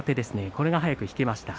これが早く引けました。